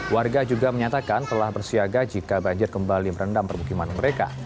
warga juga menyatakan telah bersiaga jika banjir kembali merendam permukiman mereka